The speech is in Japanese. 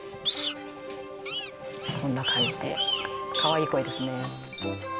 こんな感じでかわいい声ですね